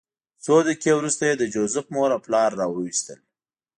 څو دقیقې وروسته یې د جوزف مور او پلار راوویستل